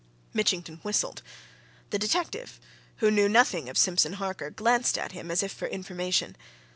Mitchington whistled; the detective, who knew nothing of Simpson Harker, glanced at him as if for information.